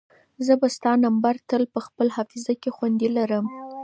زه به ستا نمبر تل په خپل حافظه کې خوندي لرم.